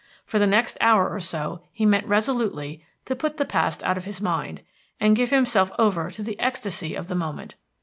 For the next hour or so he meant resolutely to put the past out of his mind, and give himself over to the ecstasy of the moment....